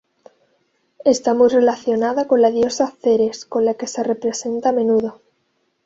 Está muy relacionada con la diosa Ceres, con la que se representa a menudo.